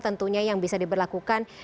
tentunya yang bisa diberlakukan